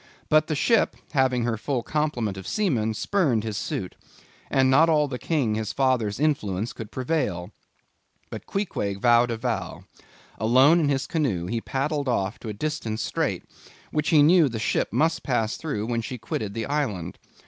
But the ship, having her full complement of seamen, spurned his suit; and not all the King his father's influence could prevail. But Queequeg vowed a vow. Alone in his canoe, he paddled off to a distant strait, which he knew the ship must pass through when she quitted the island.